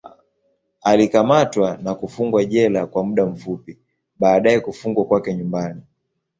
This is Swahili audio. Alikamatwa na kufungwa jela kwa muda fupi, baadaye kufungwa kwake nyumbani.